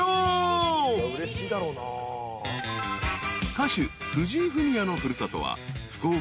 ［歌手藤井フミヤの古里は］